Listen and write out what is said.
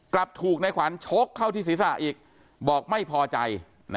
กลับถูกในขวัญชกเข้าที่ศีรษะอีกบอกไม่พอใจ